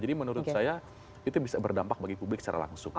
jadi menurut saya itu bisa berdampak bagi publik secara langsung